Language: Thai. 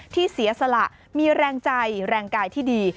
เสียสละมีแรงใจแรงกายที่ดี